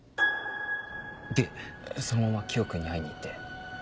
でそのままキヨ君に会いに行って。